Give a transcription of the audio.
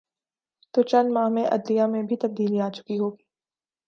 تو چند ماہ میں عدلیہ میں بھی تبدیلی آ چکی ہو گی۔